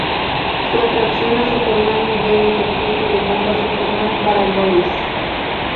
Su atracción a Superman murió en ese tiempo, dejando a Superman para Lois.